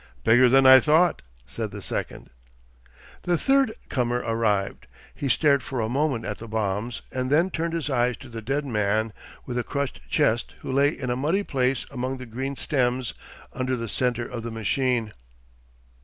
'Bigger than I thought,' said the second. The third comer arrived. He stared for a moment at the bombs and then turned his eyes to the dead man with a crushed chest who lay in a muddy place among the green stems under the centre of the machine.